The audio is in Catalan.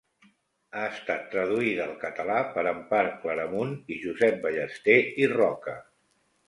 Ha estat traduïda al català per Empar Claramunt i Josep Ballester i Roca.